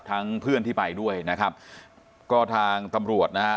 เพื่อนที่ไปด้วยนะครับก็ทางตำรวจนะฮะ